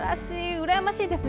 うらやましいですね。